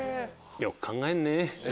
よく考えるね。